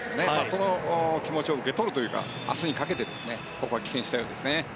その気持ちを受け取るというか明日にかけてここは棄権したようですね。